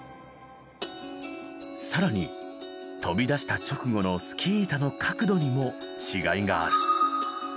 更に飛び出した直後のスキー板の角度にも違いがある。